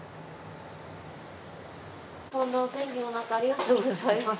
こんなお天気の中ありがとうございます。